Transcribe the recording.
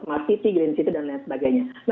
mrt city green city dan lain sebagainya